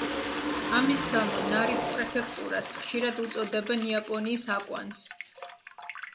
ამის გამო ნარის პრეფექტურას ხშირად უწოდებენ „იაპონიის აკვანს“.